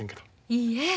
いいえ。